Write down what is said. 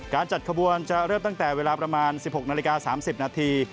จัดขบวนจะเริ่มตั้งแต่เวลาประมาณ๑๖นาฬิกา๓๐นาที